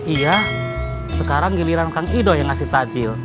iya sekarang giliran kang ido yang ngasih tajil